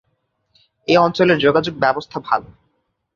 এই অঞ্চলের যোগাযোগ ব্যবস্থা ভাল।